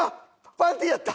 パンティーやった！」。